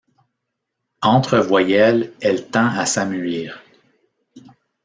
Entre voyelles, elle tend à s'amuïr.